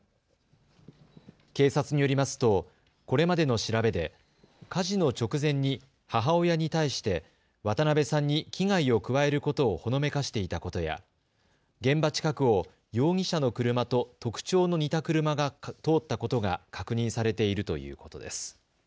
警察によりますとこれまでの調べで火事の直前に母親に対して渡邉さんに危害を加えることをほのめかしていたことや現場近くを容疑者の車と特徴の似た車が通ったことが確認されているということです。